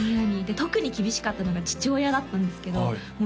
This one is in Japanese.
特に厳しかったのが父親だったんですけどもう